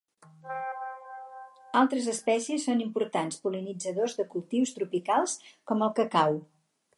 Altres espècies són importants pol·linitzadors de cultius tropicals com el cacau.